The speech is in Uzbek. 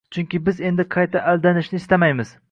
Chunki biz endi qayta aldanishni istamaymiz!